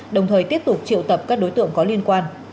đồng thời tiếp tục triệu tập các đối tượng có liên quan